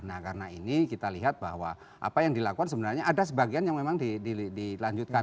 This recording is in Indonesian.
nah karena ini kita lihat bahwa apa yang dilakukan sebenarnya ada sebagian yang memang dilanjutkan